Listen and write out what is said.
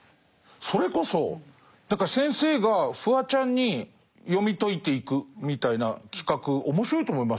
それこそ先生がフワちゃんに読み解いていくみたいな企画面白いと思いますよ。